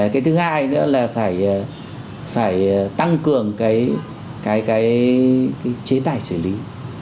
cái thứ hai nữa là phải phải tăng cường cái cái cái chế tài xử lý